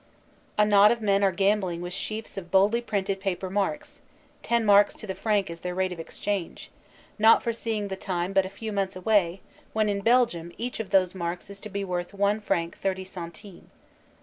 A knot of men are gambling with sheafs of boldly printed paper marks ten marks to the franc is their rate of exchange, not foreseeing the time but a few months away when in Belgium each of those marks is to be worth one franc thirty centimes.